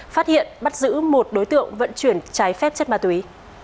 phát hiện bắt giữ một đối tượng vận chuyển trái phép chất ma túy